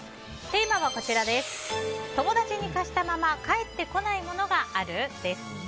テーマは友達に貸したまま返ってこないものがある？です。